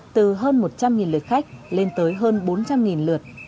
từ hơn một trăm linh lượt khách lên tới hơn bốn trăm linh lượt